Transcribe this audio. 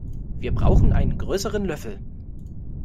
Wir brauchen einen größeren Löffel.